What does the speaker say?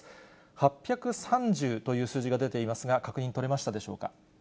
８３０という数字が出ていますが、確認取れましたでしょうか。